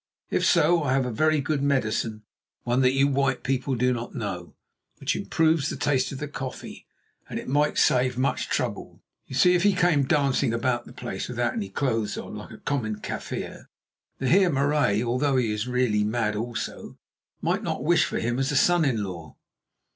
If so, I have a very good medicine, one that you white people do not know, which improves the taste of the coffee, and it might save much trouble. You see, if he came dancing about the place without any clothes on, like a common Kaffir, the Heer Marais, although he is really mad also, might not wish for him as a son in law."